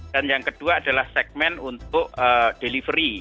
dan yang kedua adalah segmen untuk delivery